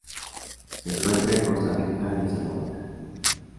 Se encuentra en Costa Rica y El Salvador.